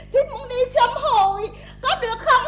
thích muốn đi xem hội có được không